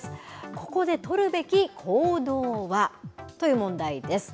ここで取るべき行動は？という問題です。